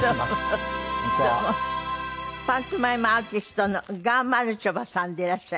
パントマイムアーティストのがまるちょばさんでいらっしゃいます。